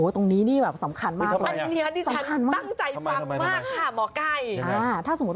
ตรงนี้สำคัญมาก